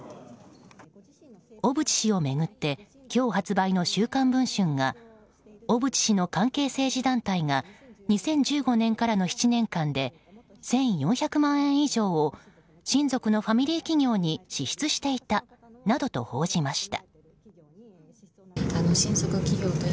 小渕氏を巡って今日発売の「週刊文春」が小渕氏の関係政治団体が２０１５年からの７年間で１４００万円以上を親族のファミリー企業に支出していたなどと報じました。